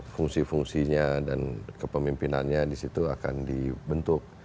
fungsi fungsinya dan kepemimpinannya di situ akan dibentuk